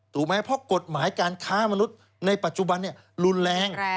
ถูกไหมเพราะกฎหมายการค้ามนุษย์ในปัจจุบันรุนแรง